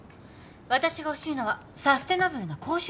私が欲しいのはサステナブルな高収入なの。